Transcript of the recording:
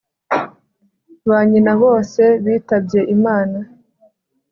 ba nyina bose bitabye imana